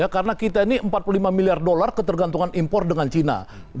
karena kita ini empat puluh lima miliar dolar ketergantungan impor dengan cina